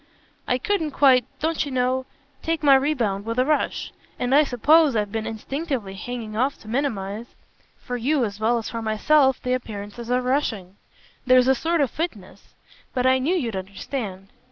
"I couldn't quite don't you know? take my rebound with a rush; and I suppose I've been instinctively hanging off to minimise, for you as well as for myself, the appearances of rushing. There's a sort of fitness. But I knew you'd understand."